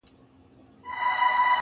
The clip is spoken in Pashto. زه به هم داسي وكړم.